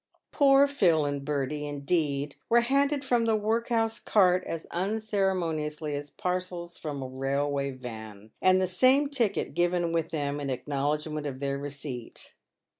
Poor Phil and Bertie, indeed, were handed from the workhouse cart as unceremoniously as parcels from a railway van, and the same ticket given with them in acknowledgment of their receipt.